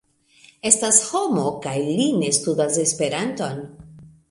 Estas homo, kaj li ne studas Esperanton.